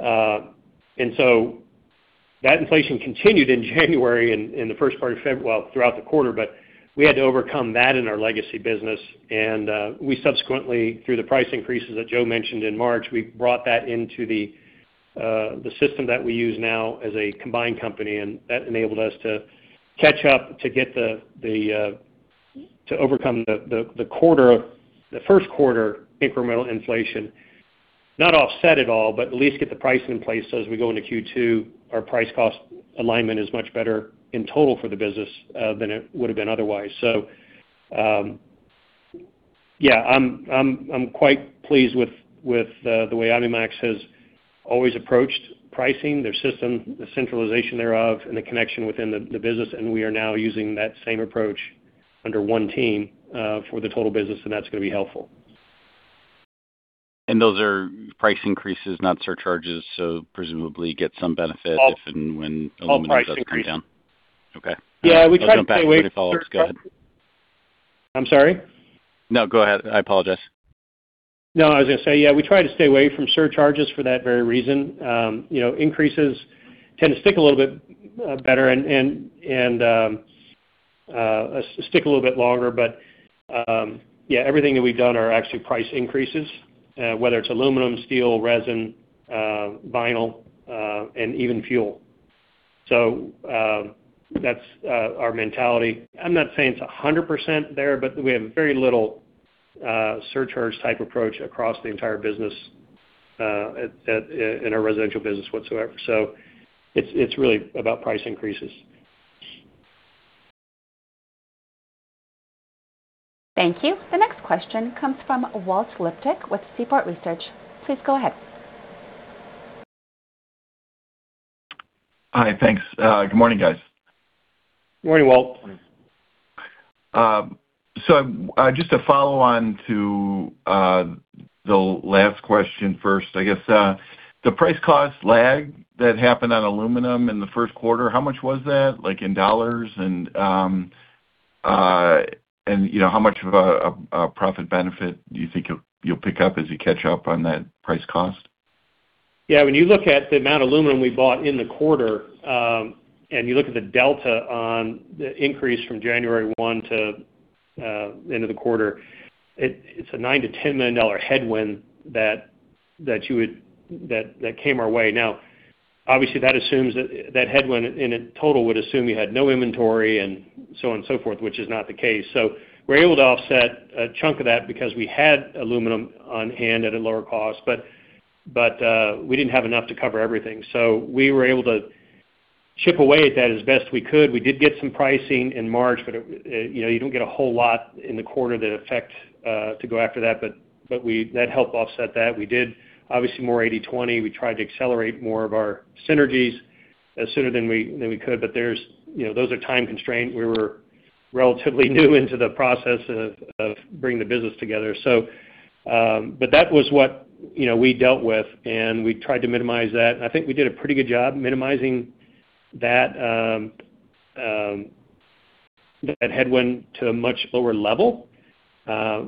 Q4. That inflation continued in January and well, throughout the quarter, but we had to overcome that in our legacy business. We subsequently, through the price increases that Joe mentioned in March, we brought that into the system that we use now as a combined company, and that enabled us to catch up to get to overcome the first quarter incremental inflation. Not offset it all, but at least get the pricing in place so as we go into Q2, our price cost alignment is much better in total for the business than it would've been otherwise. Yeah, I'm quite pleased with the way Omnimax has always approached pricing, their system, the centralization thereof, and the connection within the business, and we are now using that same approach under one team for the total business, and that's gonna be helpful. Those are price increases, not surcharges, so presumably get some benefit if and when aluminum does come down. All price increase. Okay. Yeah, we try to stay away from surcharges. I'll jump back and wait for follow-ups. Go ahead. I'm sorry? No, go ahead. I apologize. I was gonna say, yeah, we try to stay away from surcharges for that very reason. You know, increases tend to stick a little bit better and stick a little bit longer. Yeah, everything that we've done are actually price increases, whether it's aluminum, steel, resin, vinyl, and even fuel. That's our mentality. I'm not saying it's 100% there, but we have very little surcharge type approach across the entire business at in our residential business whatsoever. It's really about price increases. Thank you. The next question comes from Walt Liptak with Seaport Research Partners. Please go ahead. Hi. Thanks. Good morning, guys. Morning, Walt. Just to follow on to the last question first, I guess. The price cost lag that happened on aluminum in the first quarter, how much was that in dollars? You know, how much of a profit benefit do you think you'll pick up as you catch up on that price cost? Yeah, when you look at the amount of aluminum we bought in the quarter, and you look at the delta on the increase from January 1 to end of the quarter, it's a $9 million-$10 million headwind that came our way. Now, obviously, that assumes that that headwind in a total would assume you had no inventory and so on and so forth, which is not the case. We're able to offset a chunk of that because we had aluminum on hand at a lower cost. We didn't have enough to cover everything. We were able to chip away at that as best we could. We did get some pricing in March, but, you know, you don't get a whole lot in the quarter that affect to go after that. That helped offset that. We did obviously more 80/20. We tried to accelerate more of our synergies as sooner than we could, those are time constraint. We were relatively new into the process of bringing the business together. That was what we dealt with, we tried to minimize that. I think we did a pretty good job minimizing that headwind to a much lower level.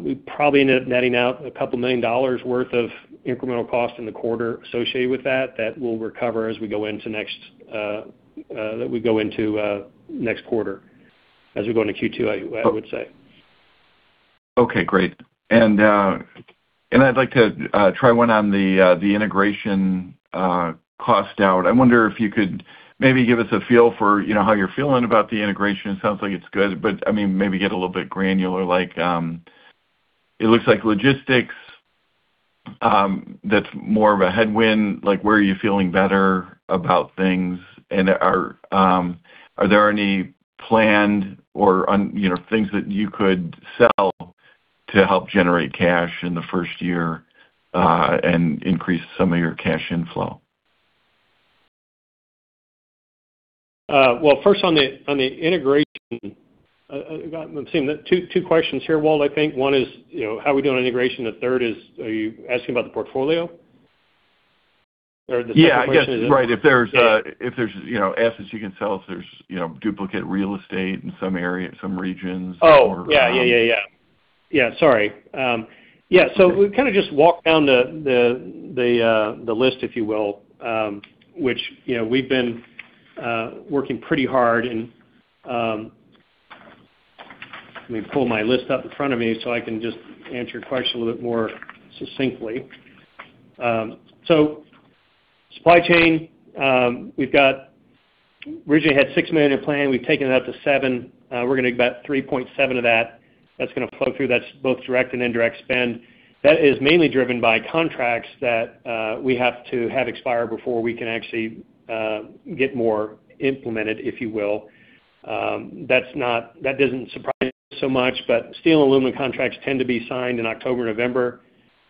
We probably end up netting out a couple million dollars worth of incremental cost in the quarter associated with that we'll recover as we go into next quarter, as we go into Q2, I would say. Okay, great. I'd like to try one on the integration cost out. I wonder if you could maybe give us a feel for, you know, how you're feeling about the integration. It sounds like it's good, but I mean, maybe get a little bit granular. Like, it looks like logistics, that's more of a headwind. Like, where are you feeling better about things? Are there any planned or, you know, things that you could sell to help generate cash in the first year and increase some of your cash inflow? Well, first on the integration, I'm seeing two questions here, Walt, I think. One is, you know, how we doing on integration? The third is, are you asking about the portfolio? Yeah, I guess, right. If there's, you know, assets you can sell, if there's, you know, duplicate real estate in some area, some regions or. Oh, yeah, yeah. Yeah, sorry. Yeah. We kind of just walked down the list, if you will, which, you know, we've been working pretty hard and Let me pull my list up in front of me, so I can just answer your question a little bit more succinctly. Supply chain, we originally had $6 million in plan. We've taken it up to $7 million. We're gonna get about $3.7 million of that. That's gonna flow through. That's both direct and indirect spend. That is mainly driven by contracts that we have to have expire before we can actually get more implemented, if you will. That doesn't surprise so much, but steel and aluminum contracts tend to be signed in October, November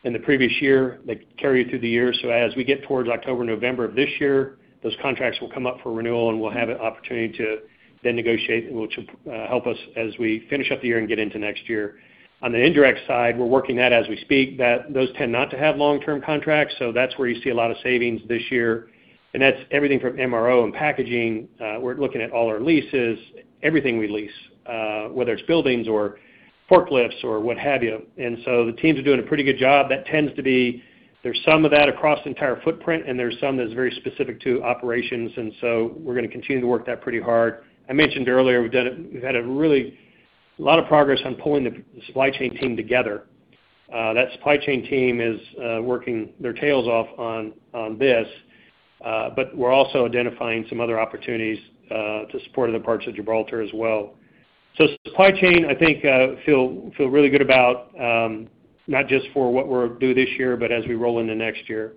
in the previous year. They carry you through the year. As we get towards October, November of this year, those contracts will come up for renewal, and we'll have an opportunity to then negotiate, which will help us as we finish up the year and get into next year. On the indirect side, we're working that as we speak. Those tend not to have long-term contracts, so that's where you see a lot of savings this year. That's everything from MRO and packaging. We're looking at all our leases, everything we lease, whether it's buildings or forklifts or what have you. The teams are doing a pretty good job. That tends to be there's some of that across the entire footprint, and there's some that's very specific to operations. We're gonna continue to work that pretty hard. I mentioned earlier we've had a really lot of progress on pulling the supply chain team together. That supply chain team is working their tails off on this. We're also identifying some other opportunities to support other parts of Gibraltar as well. Supply chain, I think, feel really good about not just for what we're due this year, but as we roll into next year.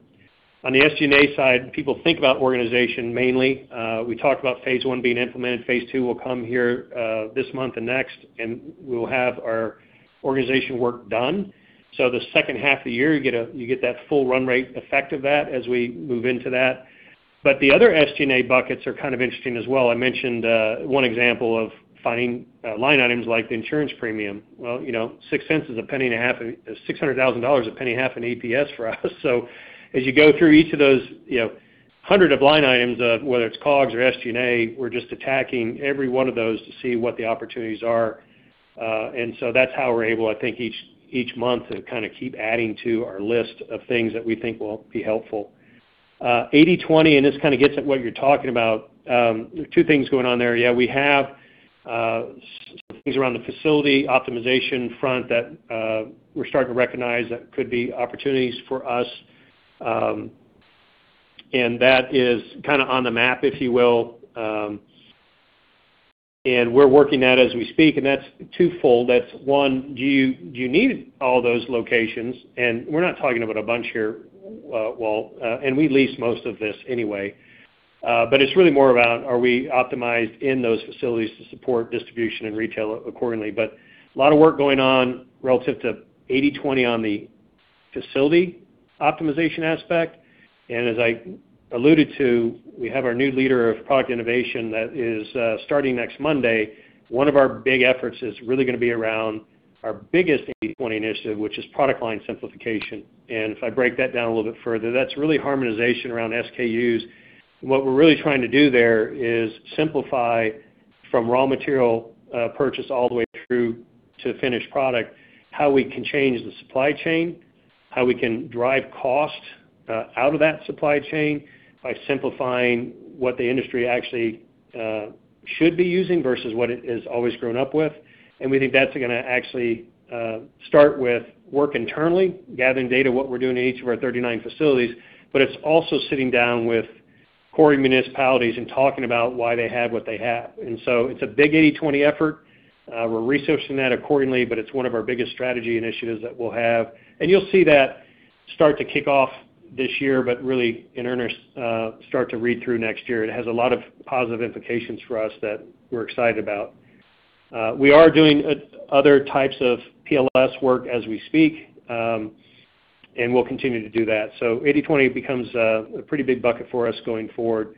On the SG&A side, people think about organization mainly. We talked about phase I being implemented. phase II will come here this month and next, and we'll have our organization work done. The 2nd half of the year, you get that full run rate effect of that as we move into that. The other SG&A buckets are kind of interesting as well. I mentioned one example of finding line items like the insurance premium. Well, you know, $0.06 is $600,000 is $0.015 an EPS for us. As you go through each of those, you know, 100 of line items, whether it's COGS or SG&A, we're just attacking every one of those to see what the opportunities are. That's how we're able, I think, each month to kind of keep adding to our list of things that we think will be helpful. 80/20, this kind of gets at what you're talking about. two things going on there. Yeah, we have things around the facility optimization front that we're starting to recognize that could be opportunities for us. That is kinda on the map, if you will. We're working that as we speak, and that's twofold. That's one, do you, do you need all those locations? We're not talking about a bunch here, Walt, we lease most of this anyway. It's really more about are we optimized in those facilities to support distribution and retail accordingly. A lot of work going on relative to 80/20 on the facility optimization aspect. As I alluded to, we have our new leader of product innovation that is starting next Monday. One of our big efforts is really gonna be around our biggest 80/20 initiative, which is Product Line Simplification. If I break that down a little bit further, that's really harmonization around SKUs. What we're really trying to do there is simplify from raw material purchase all the way through to finished product, how we can change the supply chain, how we can drive cost out of that supply chain by simplifying what the industry actually should be using versus what it has always grown up with. We think that's gonna actually start with work internally, gathering data, what we're doing in each of our 39 facilities, but it's also sitting down with local municipalities and talking about why they have what they have. It's a big 80-20 effort. We're resourcing that accordingly, but it's one of our biggest strategy initiatives that we'll have. You'll see that start to kick off this year, but really in earnest start to read through next year. It has a lot of positive implications for us that we're excited about. We are doing other types of PLS work as we speak, and we'll continue to do that. 80-20 becomes a pretty big bucket for us going forward.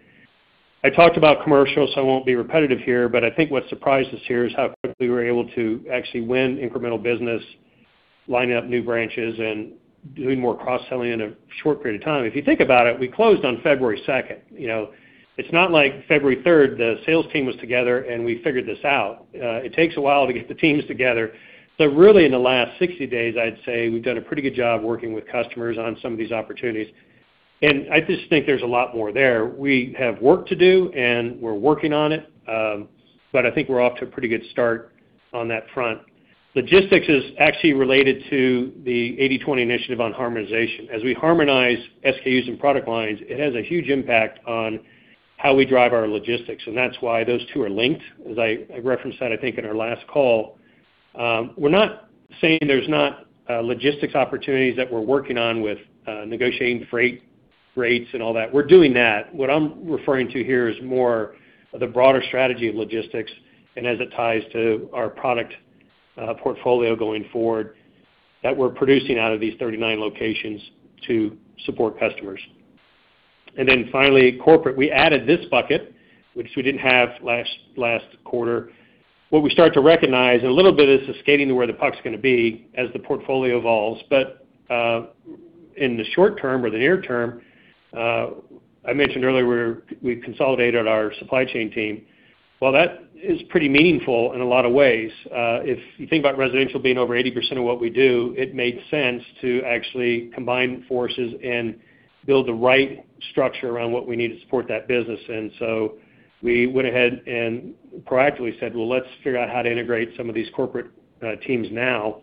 I talked about commercial, so I won't be repetitive here, but I think what surprised us here is how quickly we were able to actually win incremental business, lining up new branches, and doing more cross-selling in a short period of time. If you think about it, we closed on February second. You know, it's not like February third, the sales team was together, and we figured this out. It takes a while to get the teams together. Really, in the last 60 days, I'd say we've done a pretty good job working with customers on some of these opportunities. I just think there's a lot more there. We have work to do, and we're working on it, but I think we're off to a pretty good start on that front. Logistics is actually related to the 80-20 initiative on harmonization. As we harmonize SKUs and product lines, it has a huge impact on how we drive our logistics, and that's why those two are linked. As I referenced that, I think, in our last call. We're not saying there's not logistics opportunities that we're working on with negotiating freight rates and all that. We're doing that. What I'm referring to here is more the broader strategy of logistics and as it ties to our product portfolio going forward that we're producing out of these 39 locations to support customers. Then finally, corporate. We added this bucket, which we didn't have last quarter. What we start to recognize is the skating to where the puck's going to be as the portfolio evolves. In the short term or the near term, I mentioned earlier we consolidated our supply chain team. That is pretty meaningful in a lot of ways. If you think about residential being over 80% of what we do, it made sense to actually combine forces and build the right structure around what we need to support that business. We went ahead and proactively said, "Let's figure out how to integrate some of these corporate teams now."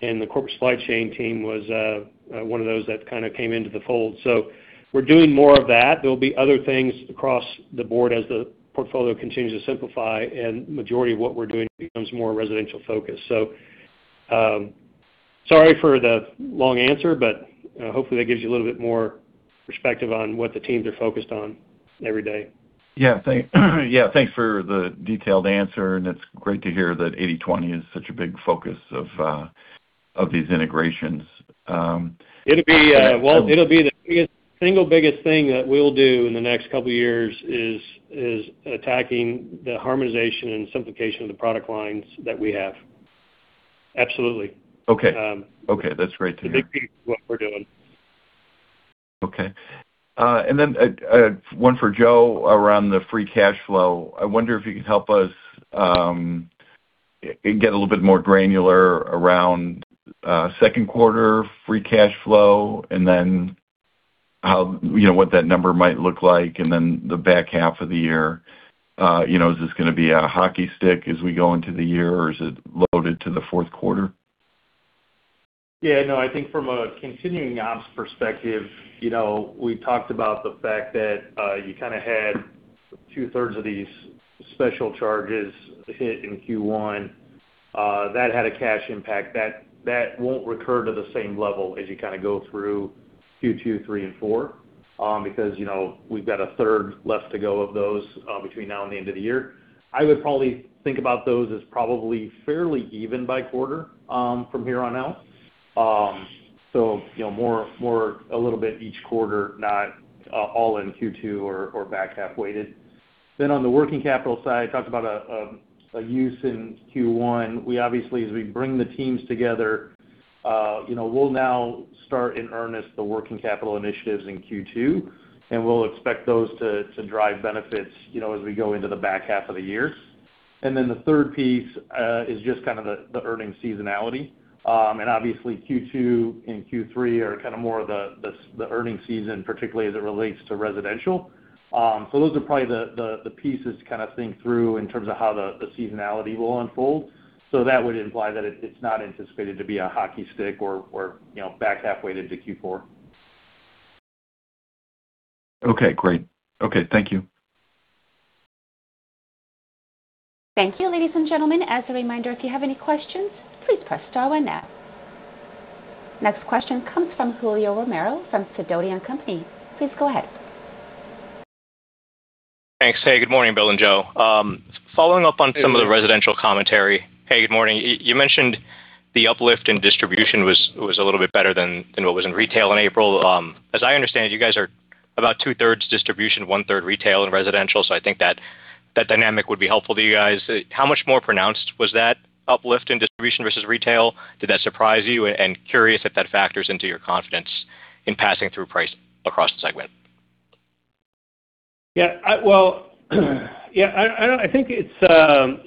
The corporate supply chain team was one of those that kind of came into the fold. We're doing more of that. There'll be other things across the board as the portfolio continues to simplify, and majority of what we're doing becomes more residential focused. Sorry for the long answer, but hopefully that gives you a little bit more perspective on what the teams are focused on every day. Yeah. Thanks for the detailed answer, and it's great to hear that 80-20 is such a big focus of these integrations. It'll be, Walt, it'll be the single biggest thing that we'll do in the next couple years is attacking the harmonization and simplification of the product lines that we have. Absolutely. Okay. Okay. That's great to hear. A big piece of what we're doing. Okay. Then a one for Joe around the free cash flow. I wonder if you could help us get a little bit more granular around 2nd quarter free cash flow and then how, you know, what that number might look like and then the back half of the year. You know, is this going to be a hockey stick as we go into the year, or is it loaded to the 4th quarter? Yeah, no, I think from a continuing ops perspective, you know, we talked about the fact that you kinda had two-thirds of these special charges hit in Q1. That had a cash impact. That won't recur to the same level as you kinda go through Q2, 3, and 4, because, you know, we've got a third left to go of those between now and the end of the year. I would probably think about those as probably fairly even by quarter from here on out. You know, more a little bit each quarter, not all in Q2 or back half weighted. On the working capital side, talked about a use in Q1. We obviously, as we bring the teams together, you know, we'll now start in earnest the working capital initiatives in Q2, we'll expect those to drive benefits, you know, as we go into the back half of the year. The third piece is just kind of the earnings seasonality. Obviously Q2 and Q3 are kind of more of the earning season, particularly as it relates to residential. Those are probably the pieces to kind of think through in terms of how the seasonality will unfold. That would imply that it's not anticipated to be a hockey stick or, you know, back halfway into Q4. Okay, great. Okay, thank you. Thank you. Ladies and gentlemen, as a reminder, if you have any questions, please press star one now. Next question comes from Julio Romero from Sidoti & Company. Please go ahead. Thanks. Hey, good morning, Bill and Joe. Following up on some of the residential commentary. Hey, good morning. You mentioned the uplift in distribution was a little bit better than what was in retail in April. As I understand, you guys are about two-thirds distribution, one-third retail and residential, so I think that dynamic would be helpful to you guys. How much more pronounced was that uplift in distribution versus retail? Did that surprise you? Curious if that factors into your confidence in passing through price across the segment. Yeah, I think it's,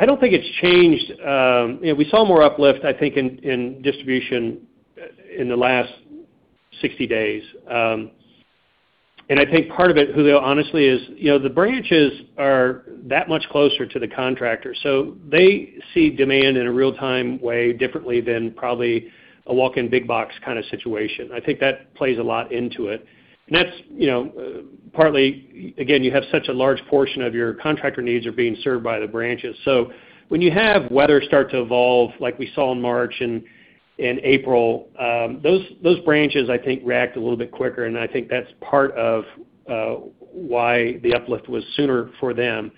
I don't think it's changed. You know, we saw more uplift, I think in distribution, in the last 60 days. I think part of it, Julio, honestly, is, you know, the branches are that much closer to the contractor, so they see demand in a real-time way differently than probably a walk-in big box kind of situation. I think that plays a lot into it. That's, you know, partly, again, you have such a large portion of your contractor needs are being served by the branches. When you have weather start to evolve, like we saw in March and April, those branches I think react a little bit quicker, and I think that's part of why the uplift was sooner for them.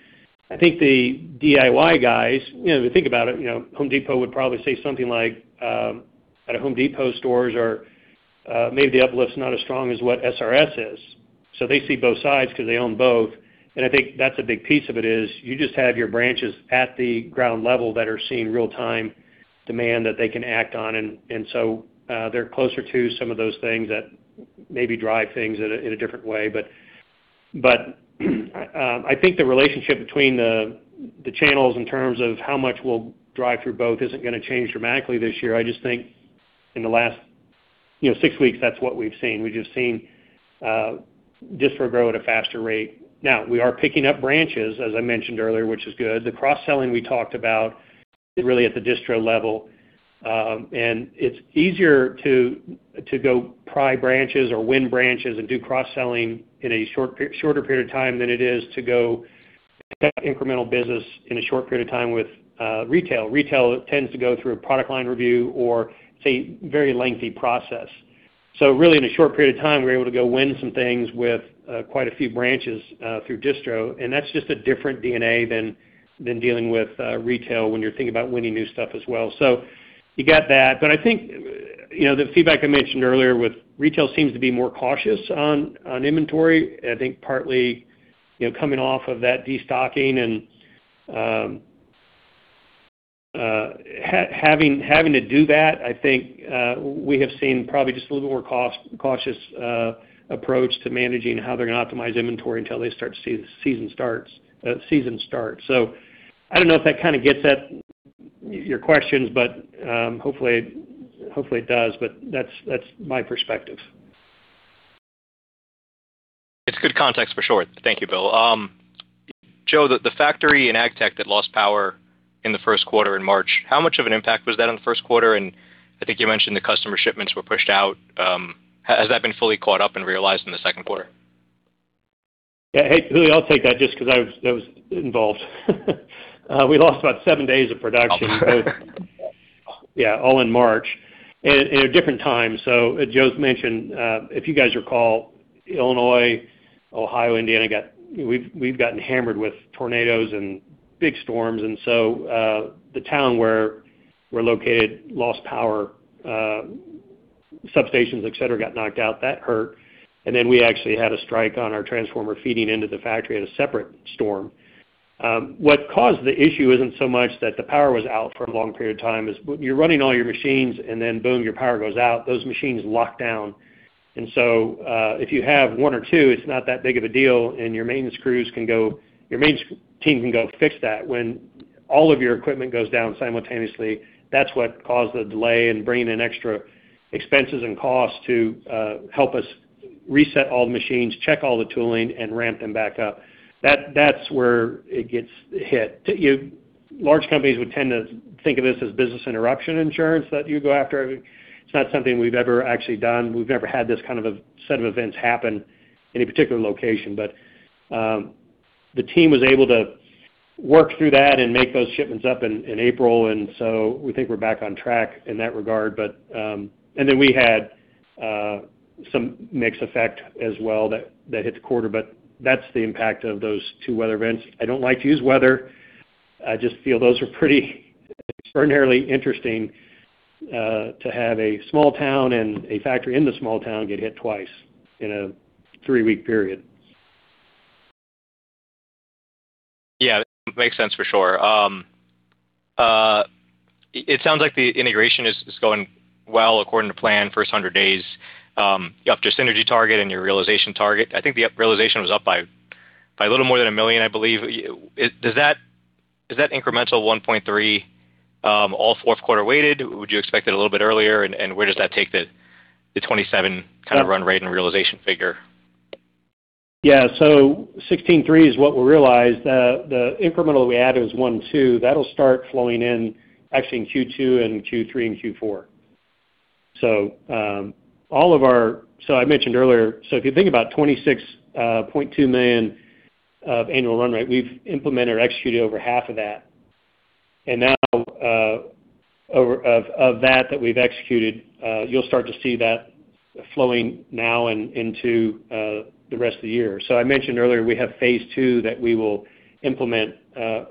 I think the DIY guys, you know, if you think about it, you know, Home Depot would probably say something like, at Home Depot stores or, maybe the uplift's not as strong as what SRS is. They see both sides 'cause they own both. I think that's a big piece of it, is you just have your branches at the ground level that are seeing real-time demand that they can act on. They're closer to some of those things that maybe drive things in a different way. I think the relationship between the channels in terms of how much we'll drive through both isn't gonna change dramatically this year. I just think in the last, you know, six weeks, that's what we've seen. We've just seen, distro grow at a faster rate. We are picking up branches, as I mentioned earlier, which is good. The cross-selling we talked about is really at the distro level. It's easier to go buy branches or win branches and do cross-selling in a shorter period of time than it is to go get incremental business in a short period of time with Retail. Retail tends to go through a product line review or it's a very lengthy process. Really, in a short period of time, we're able to go win some things with quite a few branches through distro, that's just a different DNA than dealing with Retail when you're thinking about winning new stuff as well. You got that. I think, you know, the feedback I mentioned earlier with Retail seems to be more cautious on inventory. I think partly, you know, coming off of that destocking and having to do that, I think, we have seen probably just a little more cost-cautious approach to managing how they're gonna optimize inventory until they start to see the season start. I don't know if that kinda gets at your questions, but, hopefully it does. That's, that's my perspective. It's good context for sure. Thank you, Bill. Joe, the factory in AgTech that lost power in the first quarter in March, how much of an impact was that on the first quarter? I think you mentioned the customer shipments were pushed out. Has that been fully caught up and realized in the second quarter? Yeah. Hey, Julio, I'll take that just 'cause I was involved. We lost about seven days of production. Okay. Yeah, all in March. In a different time. As Joe's mentioned, if you guys recall, Illinois, Ohio, Indiana we've gotten hammered with tornadoes and big storms. The town where we're located lost power, substations, et cetera, got knocked out. That hurt. We actually had a strike on our transformer feeding into the factory in a separate storm. What caused the issue isn't so much that the power was out for a long period of time, is when you're running all your machines and then boom, your power goes out, those machines lock down. If you have one or two, it's not that big of a deal, and your maintenance team can go fix that. When all of your equipment goes down simultaneously, that's what caused the delay in bringing in extra expenses and costs to help us reset all the machines, check all the tooling, and ramp them back up. That's where it gets hit. Large companies would tend to think of this as business interruption insurance that you go after. It's not something we've ever actually done. We've never had this kind of a set of events happen in a particular location. The team was able to work through that and make those shipments up in April, we think we're back on track in that regard. We had some mix effect as well that hit the quarter, that's the impact of those two weather events. I don't like to use weather. I just feel those are pretty extraordinarily interesting, to have a small town and a factory in the small town get hit twice in a three-week period. Yeah, makes sense for sure. It sounds like the integration is going well according to plan, first 100 days. You're up to synergy target and your realization target. I think the up realization was up by a little more than $1 million, I believe. Is that incremental $1.3 million, all fourth quarter weighted? Would you expect it a little bit earlier? Where does that take the 2027 kind of run rate and realization figure? $16.3 million is what we realized. The incremental we added was $1.2million. That'll start flowing in actually in Q2 and Q3 and Q4. I mentioned earlier, if you think about $26.2 million of annual run rate, we've implemented or executed over 0.5 of that. Now, of that we've executed, you'll start to see that flowing now and into the rest of the year. I mentioned earlier, we have phase II that we will implement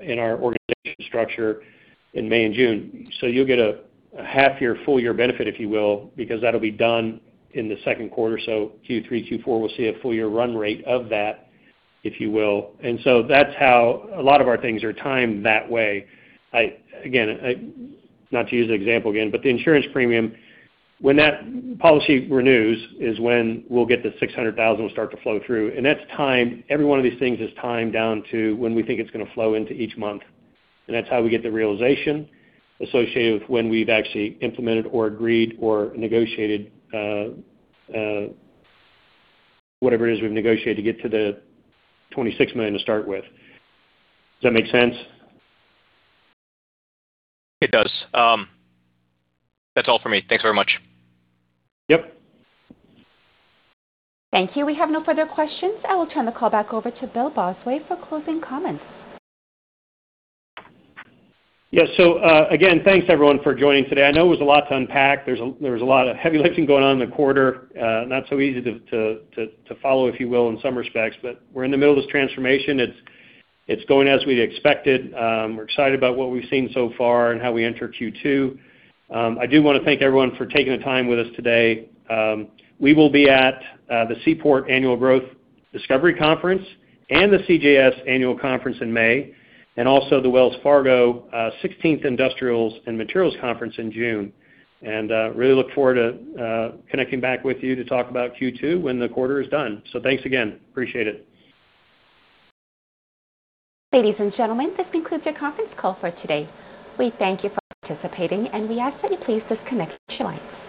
in our organization structure in May and June. You'll get a half year, full year benefit, if you will, because that'll be done in the second quarter. Q3, Q4, we'll see a full year run rate of that, if you will. That's how a lot of our things are timed that way. Again, not to use the example again, but the insurance premium, when that policy renews is when we'll get the $600,000 will start to flow through. That's timed. Every one of these things is timed down to when we think it's gonna flow into each month. That's how we get the realization associated with when we've actually implemented or agreed or negotiated, whatever it is we've negotiated to get to the $26 million to start with. Does that make sense? It does. That's all for me. Thanks very much. Yep. Thank you. We have no further questions. I will turn the call back over to Bill Bosway for closing comments. Again, thanks everyone for joining today. I know it was a lot to unpack. There was a lot of heavy lifting going on in the quarter. Not so easy to follow, if you will, in some respects. We're in the middle of this transformation. It's going as we expected. We're excited about what we've seen so far and how we enter Q2. I do wanna thank everyone for taking the time with us today. We will be at the Seaport Annual Growth Discovery Conference and the CJS Annual Conference in May, and also the Wells Fargo 16th Industrials and Materials Conference in June. Really look forward to connecting back with you to talk about Q2 when the quarter is done. Thanks again. Appreciate it. Ladies and gentlemen, this concludes your conference call for today. We thank you for participating, and we ask that you please disconnect your lines.